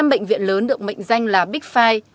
năm bệnh viện lớn được mệnh danh là big file